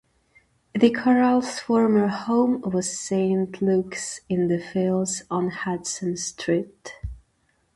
The Chorale's former home was Saint Luke's in the Fields on Hudson Street.